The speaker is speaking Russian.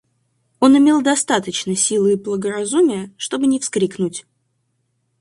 Он имел достаточно силы и благоразумия, чтобы не вскрикнуть.